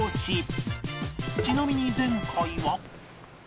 ちなみに前回は